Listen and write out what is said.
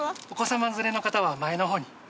お子さま連れの方は前の方に。